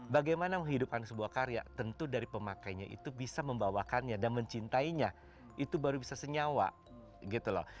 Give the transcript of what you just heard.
bagaimana menghidupkan sebuah karya tentu dari pemakainya itu bisa membawakannya dan mencintainya itu baru bisa senyawa gitu loh